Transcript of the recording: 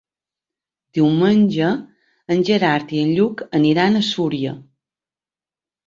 Diumenge en Gerard i en Lluc aniran a Súria.